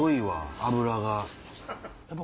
脂が。